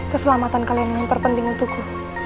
keselamatan kalian yang terpenting untukku